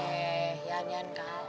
eh yan yan kak